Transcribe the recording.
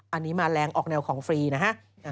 อันนี้มาแรงออกแนวของฟรีนะฮะ